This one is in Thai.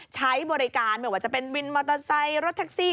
ใช้บริการไม่ว่าจะเป็นวินมอเตอร์ไซค์รถแท็กซี่